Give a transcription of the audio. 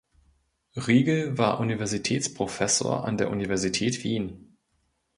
Riegl war Universitätsprofessor an der Universität Wien.